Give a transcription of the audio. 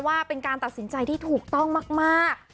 ว่าเป็นการตัดสินใจที่ถูกต้องมาก